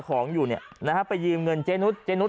กลับมาพร้อมขอบความ